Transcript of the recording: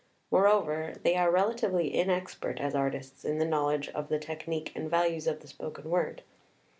Moreover, they are rela tively inexpert, as artists, in the knowledge of the technique and values of the spoken word.